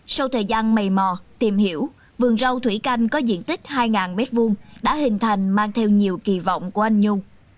sau thời gian mầy mò tìm hiểu vườn rau thủy canh có diện tích hai m hai đã hình thành mang theo nhiều kỳ vọng của anh nhung